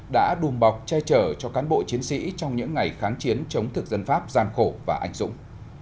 đã đùm bọc che chở cho cán bộ chiến sĩ trong những ngày kháng chiến chống thực dân pháp gian khổ và anh dũng